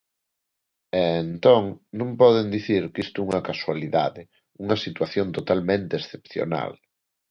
E, entón, non poden dicir que isto é unha casualidade, unha situación totalmente excepcional.